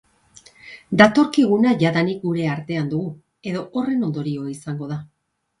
Datorkiguna jadanik gure artean dugu, edo horren ondorio izango da.